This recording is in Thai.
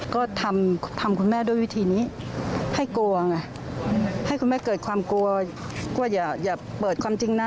ก็ทำทำคุณแม่ด้วยวิธีนี้ให้กลัวไงให้คุณแม่เกิดความกลัวกลัวอย่าเปิดความจริงนะ